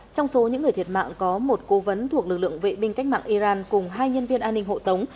trong số những người thiệt mạng có một cố vấn thuộc lực lượng vệ binh cách mạng iran cùng hai nhân viên an ninh hộ tống